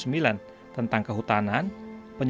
sehingga kita bisa memiliki kekuatan yang berbeda